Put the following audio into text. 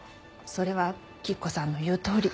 それは吉子さんの言うとおり。